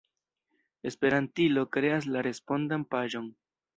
Esperantilo kreas la respondan paĝon.